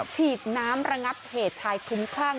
ฉีดน้ำระงับเหตุชายคลุ้มคลั่ง